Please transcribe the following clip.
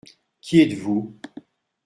Qui êtes-vous ?